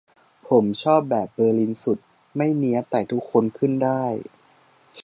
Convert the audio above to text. ผมชอบแบบเบอร์ลินสุด ไม่เนี๊ยบแต่ทุกคนขึ้นได้